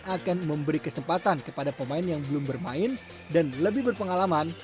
akan memberi kesempatan kepada pemain yang belum bermain dan lebih berpengalaman